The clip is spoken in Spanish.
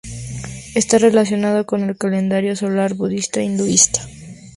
Está correlacionado con el calendario solar budista-hinduista.